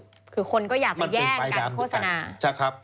คือคนก็อยากจะแย่งกันโฆษณา